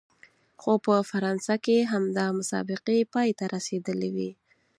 خو په فرانسه کې همدا مسابقې پای ته رسېدلې وې.